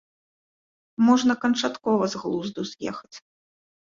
Можна канчаткова з глузду з'ехаць.